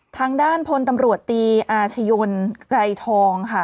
ทางด้านพลตำรวจตีอาชญนไกรทองค่ะ